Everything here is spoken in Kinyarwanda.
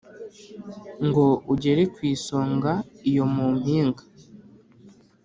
ngo ugere ku isonga iyo mu mpinga